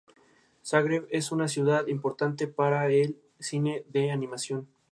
Zagreb es una ciudad importante para el cine de animación.